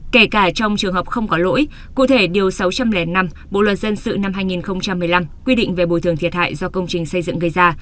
kể cả trong trường hợp không có lỗi cụ thể điều sáu trăm linh năm bộ luật dân sự năm hai nghìn một mươi năm quy định về bồi thường thiệt hại do công trình xây dựng gây ra